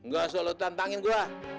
gak asal lu tantangin gua